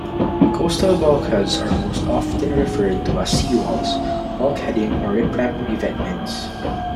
Coastal bulkheads are most often referred to as seawalls, bulkheading, or riprap revetments.